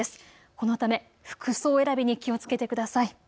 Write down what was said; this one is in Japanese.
このため服装選びに気をつけてください。